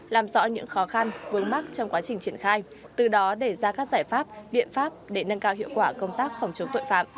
làm rõ những khó khăn vướng mắt trong quá trình triển khai từ đó để ra các giải pháp biện pháp để nâng cao hiệu quả công tác phòng chống tội phạm